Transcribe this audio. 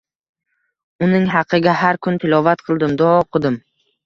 Uning haqiga har kun tilovat qildim, duo o'qidim.